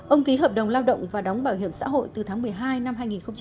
ông ký hợp đồng lao động và đóng bảo hiểm xã hội từ tháng một mươi hai năm hai nghìn một mươi chín